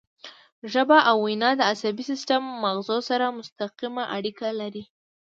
ژبه او وینا د عصبي سیستم او مغزو سره مستقیمه اړیکه لري